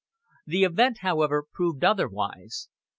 The event, however, proved otherwise.